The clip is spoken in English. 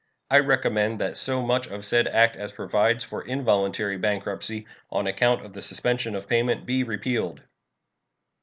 I recommend that so much of said act as provides for involuntary bankruptcy on account of the suspension of payment be repealed.